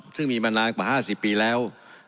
ซึ่งมีมานานกว่า๕๐ปีแล้ว